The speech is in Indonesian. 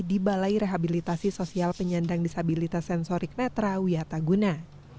di balai rehabilitasi sosial penyandang disabilitas sensorik netra wiataguna